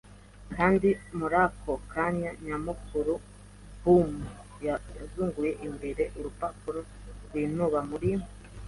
kandi muri ako kanya nyamukuru-boom yazunguye imbere, urupapuro rwinuba muri